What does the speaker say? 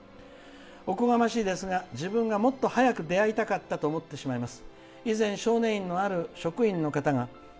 おこがましいですが自分がもっと早く出会いたかったと思ってしまいます。